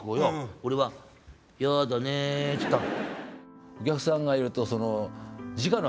俺はやだねっつったの。